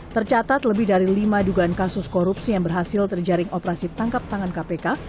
tercatat lebih dari lima dugaan kasus korupsi yang berhasil terjaring operasi tangkap tangan kpk